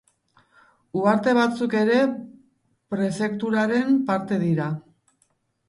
Uharte batzuk ere prefekturaren parte dira.